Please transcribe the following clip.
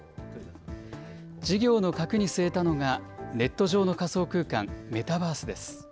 事業の核に据えたのが、ネット上の仮想空間、メタバースです。